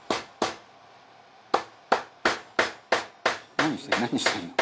「何して何してるの？